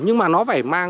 nhưng mà nó phải mang